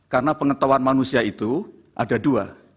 karena pengetahuan manusia itu ada dua